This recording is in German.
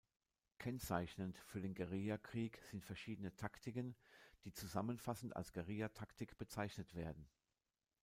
Kennzeichnend für den Guerillakrieg sind verschiedene Taktiken, die zusammenfassend als Guerillataktik bezeichnet werden.